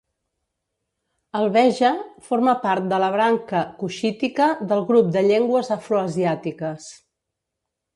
El beja forma part de la branca cuixítica del grup de llengües afroasiàtiques.